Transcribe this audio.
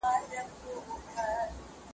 ایا تکړه پلورونکي انځر ساتي؟